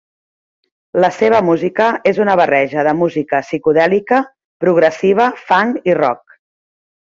La seva música és una barreja de música psicodèlica, progressiva, funk i rock.